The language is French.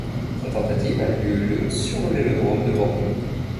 Sa tentative a lieu le sur le vélodrome de Bordeaux.